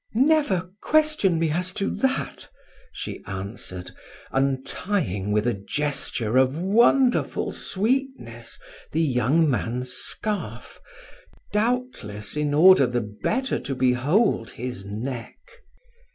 "Never question me as to that," she answered, untying with a gesture of wonderful sweetness the young man's scarf, doubtless in order the better to behold his neck.